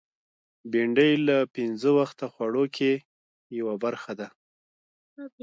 بېنډۍ له پینځه وخته خوړو کې یوه برخه ده